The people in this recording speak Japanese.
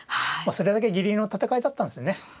それだけギリギリの戦いだったんですよね。